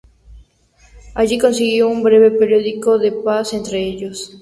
Allí siguió un breve período de paz entre ellos.